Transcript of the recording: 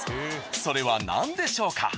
それは何でしょうか？